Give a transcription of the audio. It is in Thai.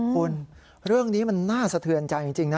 คุณเรื่องนี้มันน่าสะเทือนใจจริงนะ